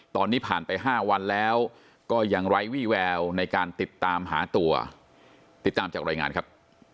ตอนนี้ผ่านไป๕วันแล้วก็ยังไร้วี่แววในการติดตามหาตัวติดตามจากรายงานครับ